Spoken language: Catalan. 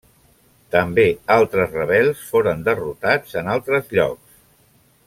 També altres rebels foren derrotats en altres llocs.